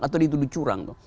atau dituduh curang